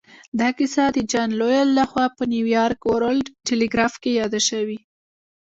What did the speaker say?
دا کیسه د جان لویل لهخوا په نیویارک ورلډ ټیليګراف کې یاده شوې